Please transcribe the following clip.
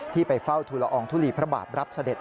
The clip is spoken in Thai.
ที่ไปเฝ้าธุระองค์ทุลีพระบาทรับเสด็จ